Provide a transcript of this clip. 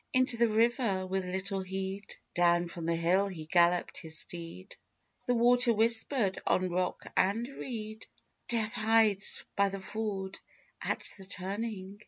Into the river with little heed, Down from the hill he galloped his steed The water whispered on rock and reed, "Death hides by the ford at the turning!"